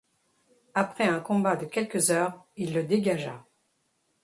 Après un combat de quelques heures, il le dégagea.